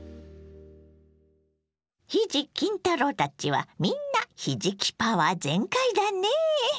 ひじ・きん太郎たちはみんなひじきパワー全開だねぇ。